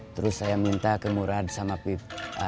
terus saya minta ke murah sama pip